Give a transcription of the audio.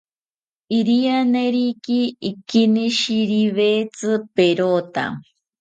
Irianeriki ikeinishiriwetzi perota